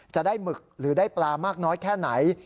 หมึกหรือได้ปลามากน้อยแค่ไหน